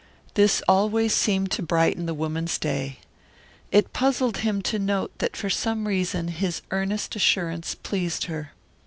This always seemed to brighten the woman's day. It puzzled him to note that for some reason his earnest assurance pleased her.